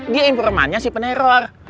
dia informannya si peneror